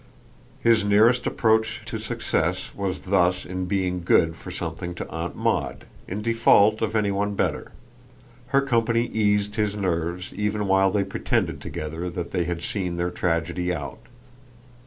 His nearest approach to success was thus in being good for something to Aunt Maud, in default of any one better; her company eased his nerves even while they pretended together that they had seen their tragedy out.